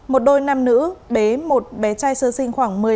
một đôi nam nữ bé một bé trai sơ sinh khoảng một tuổi